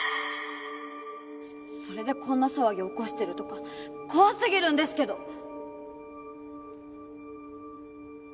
それでこんな騒ぎ起こしてるとか怖すぎるんですけど！